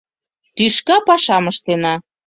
Тӱшка пашам ыштена.